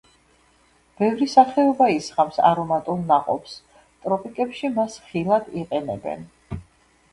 ბევრი სახეობა ისხამს არომატულ ნაყოფს; ტროპიკებში მას ხილად იყენებენ.